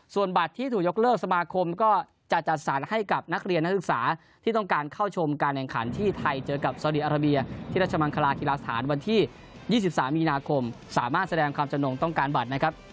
ส่วนบัตรที่ถูกยกเลิกสมาคมก็จะจัดสรรให้กับนักเรียนนักศึกษาที่ต้องการเข้าชมการแข่งขันที่ไทยเจอกับสาวดีอาราเบียที่ราชมังคลากีฬาสถานวันที่๒๓มีนาคมสามารถแสดงความจำนงต้องการบัตรนะครับ